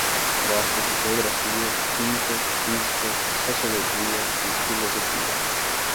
Gosto de geografia, química, física, sociologia e filosofia